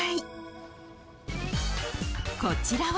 ［こちらは］